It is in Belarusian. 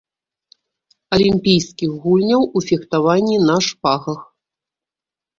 Алімпійскіх гульняў у фехтаванні на шпагах.